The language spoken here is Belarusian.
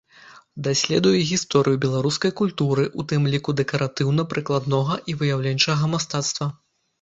Даследуе гісторыю беларускай культуры, у тым ліку дэкаратыўна-прыкладнога і выяўленчага мастацтва.